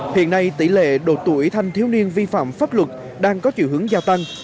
hiện nay tỷ lệ độ tuổi thanh thiếu niên vi phạm pháp luật đang có chiều hướng gia tăng